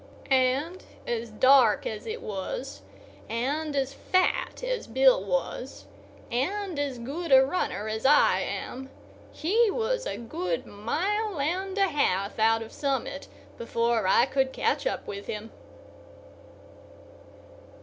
And, as dark as it was, and as fat as Bill was, and as good a runner as I am, he was a good mile and a half out of Summit before I could catch up with him.